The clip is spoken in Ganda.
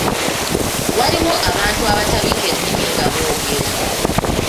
Waliwo abantu abatabika ennimi nga boogera.